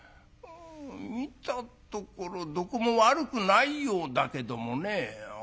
見たところどこも悪くないようだけどもね」。